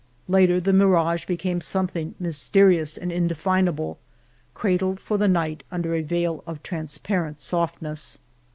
Later the mirage be came something mysterious and indefinable, cradled for the night under a veil of trans parent softness.